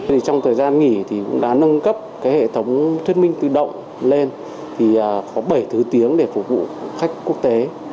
trong thời gian nghỉ đã nâng cấp hệ thống thuyết minh tự động lên có bảy thứ tiếng để phục vụ khách quốc tế